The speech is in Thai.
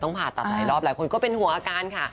ต้องผ่าตัดในรอบหลายคนก็เป็นหัวอาการค่ะ